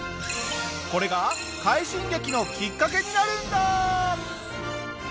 これが快進撃のきっかけになるんだ！